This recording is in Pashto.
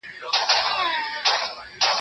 په کښتیو په جالو کي سپرېدلې